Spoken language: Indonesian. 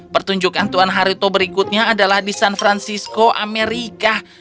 pertunjukan tuan haruto berikutnya adalah di san francisco amerika